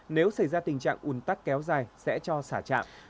nếu xảy ra tình trạng ủn tắc kéo dài sẽ cho xả trạm